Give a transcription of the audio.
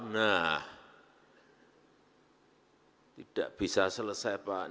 nah tidak bisa selesai pak